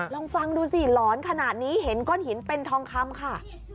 ลองฟังดูสิหลอนขนาดนี้เห็นก้อนหินเป็นทองคำค่ะ